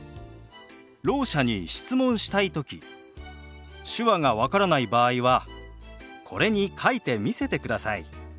ろう者に質問したい時手話が分からない場合はこれに書いて見せてください。